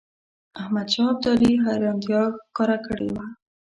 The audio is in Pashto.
احمدشاه ابدالي حیرانیتا ښکاره کړې وه.